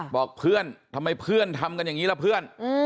บอกเพื่อนทำไมเพื่อนทำกันอย่างนี้ล่ะเพื่อน